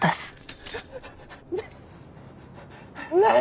何？